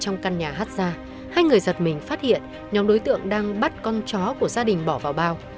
trong căn nhà hát ra hay người giật mình phát hiện nhóm đối tượng đang bắt con chó của gia đình bỏ vào bao